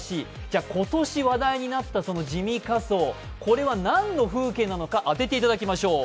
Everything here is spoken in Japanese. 今年話題になった地味仮装、これは何の風景なのか、当てていただきましょう。